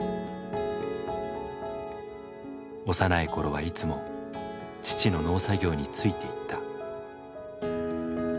幼い頃はいつも父の農作業についていった。